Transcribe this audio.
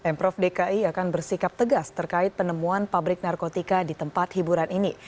pemprov dki akan bersikap tegas terkait penemuan pabrik narkotika di tempat hiburan ini